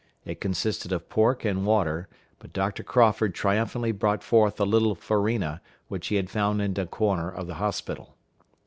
It consisted of pork and water, but Dr. Crawford triumphantly brought forth a little farina, which he had found in a corner of the hospital.